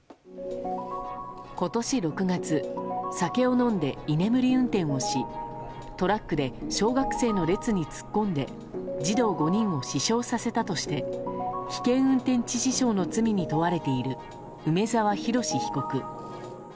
今年６月酒を飲んで居眠り運転をしトラックで小学生の列に突っ込んで児童５人を死傷させたとして危険運転致死傷の罪に問われている梅沢洋被告。